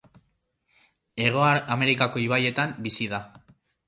Hego Amerikako ibaietan bizi da.